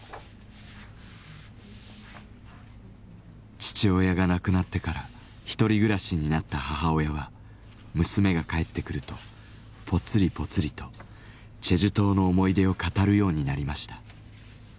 父親が亡くなってから一人暮らしになった母親は娘が帰ってくるとぽつりぽつりとチェジュ島の思い出を語るようになりました。